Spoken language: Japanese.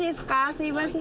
すいません。